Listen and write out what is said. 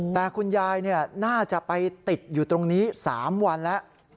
แต่คุณยายน่าจะไปติดอยู่ตรงนี้๓วันแล้ว